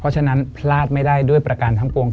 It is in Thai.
เพราะฉะนั้นพลาดไม่ได้ด้วยประการทั้งปวง